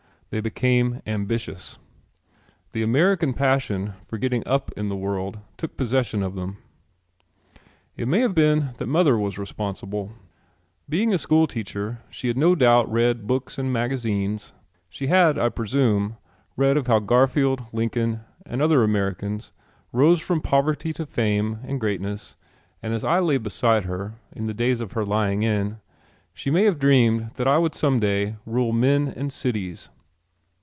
They became ambitious. The American passion for getting up in the world took possession of them. It may have been that mother was responsible. Being a school teacher she had no doubt read books and magazines. She had, I presume, read of how Garfield, Lincoln, and other Americans rose from poverty to fame and greatness and as I lay beside her in the days of her lying in she may have dreamed that I would some day rule men and cities.